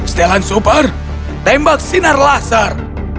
setelan super tembak sinar lasar